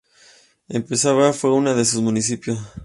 Esperanza fue uno de sus municipios.